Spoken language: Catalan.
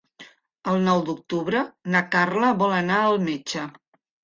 El nou d'octubre na Carla vol anar al metge.